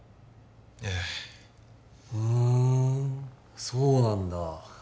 ええふんそうなんだ